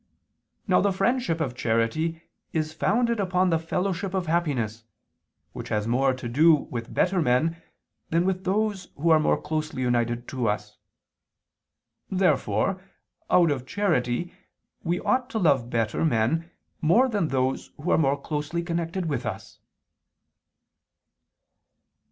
Now the friendship of charity is founded upon the fellowship of happiness, which has more to do with better men than with those who are more closely united to us. Therefore, out of charity, we ought to love better men more than those who are more closely connected with us.